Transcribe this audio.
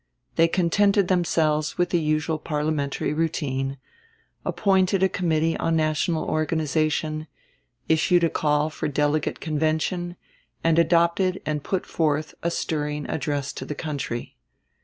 They contented themselves with the usual parliamentary routine; appointed a committee on national organization; issued a call for a delegate convention; and adopted and put forth a stirring address to the country.